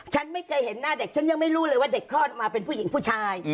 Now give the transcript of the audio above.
ฉันไม่เคยเห็นหน้าเด็กฉันยังไม่รู้เลยว่าเด็กคลอดมาเป็นผู้หญิงผู้ชาย